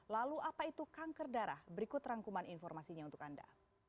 lalu apa itu kanker darah berikut rangkuman informasinya untuk anda